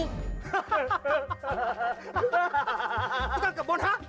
tukang kebun ha